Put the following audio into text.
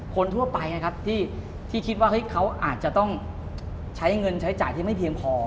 คนทั่วไปนะครับที่คิดว่าเขาอาจจะต้องใช้เงินใช้จ่ายที่ไม่เพียงพอ